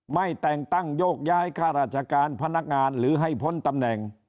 ไม่แต่งตั้งโยกย้ายข้าราชการพนักงานหรือให้พ้นตำแหน่ง